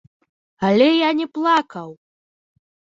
Але я не плакаў!